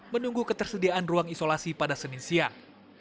menunggu ketersediaan ruang isolasi pada senin siang